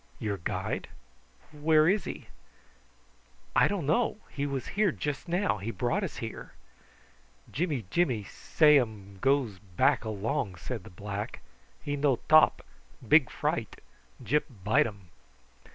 "Your guide? Where is he?" "I don't know. He was here just now. He brought us here." "Jimmy Jimmy say um goes back along," said the black. "He no top, big fright. Gyp bite um."